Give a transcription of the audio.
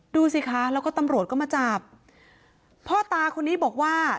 ดูสิคะแล้วก็ตำรวจก็มาจับพ่อตาคนนี้บอกว่า